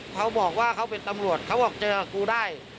เขาบอกว่าเขาเป็นตำรวจเขาบอกเจอกับกูได้